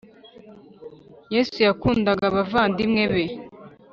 Yesu yakundaga abavandimwe be,